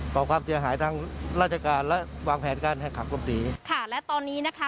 ขอความเสียหายทางราชการและวางแผนการแข่งขันกบตีค่ะและตอนนี้นะคะ